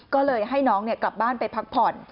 ก็เลยให้น้องกลับบ้านไปพักผ่อน